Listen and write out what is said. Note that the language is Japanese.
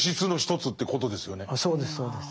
そうですそうです。